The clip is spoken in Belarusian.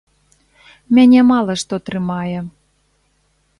Мяне мала што трымае.